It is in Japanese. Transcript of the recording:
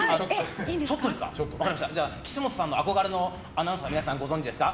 岸本さんの憧れのアナウンサー皆さん、ご存じですか。